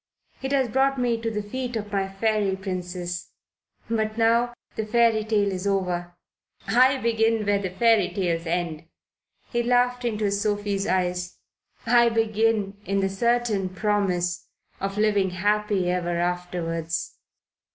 It has brought me to the feet of my Fairy Princess. But now the fairy tale is over. I begin where the fairy tales end" he laughed into his Sophie's eyes "I begin in the certain promise of living happy ever afterwards."